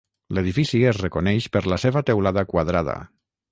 L'edifici es reconeix per la seva teulada quadrada.